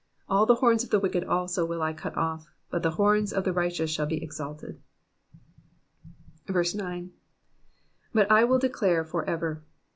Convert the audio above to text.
ID All the horns of the wicked also will I cut off ; but the horns of the righteous shall be exalted. 9. But I wUl declare for ever.